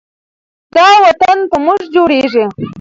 دا وطن په موږ جوړیږي.